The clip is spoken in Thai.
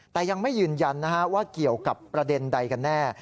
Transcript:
แต่ยังไม่ยืนยันว่าเกี่ยวกับประเด็นใดกันแน่